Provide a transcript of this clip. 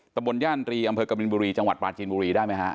ตะบนย่านตรีอำเภอกบินบุรีจังหวัดปลาจีนบุรีได้ไหมฮะ